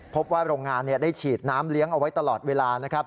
พบว่าโรงงานได้ฉีดน้ำเลี้ยงเอาไว้ตลอดเวลานะครับ